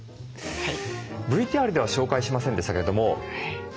はい。